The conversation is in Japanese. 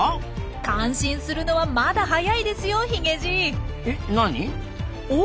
感心するのはまだ早いですよヒゲじい。